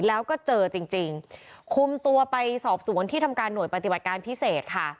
แล้วก็เจอจริงจริงคุมตัวไปสอบสวนที่ทำการหน่วยปฏิบัติการพิเศษค่ะ